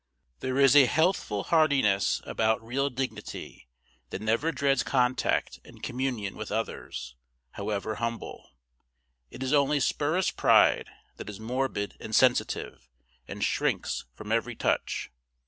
There is a healthful hardiness about real dignity, that never dreads contact and communion with others, however humble. It is only spurious pride that is morbid and sensitive, and shrinks from every touch.